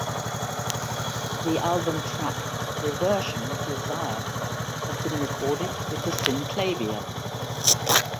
The album track "Reversion (Desire)" has been recorded with the Synclavier.